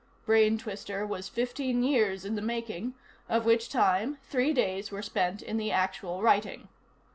BRAIN TWISTER was fifteen years in the making, of which time three days were spent in the actual writing.